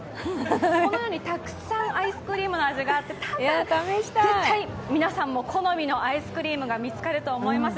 このようにたくさんアイスクリームの味がありまして絶対皆さんも好みのアイスが見つかると思います。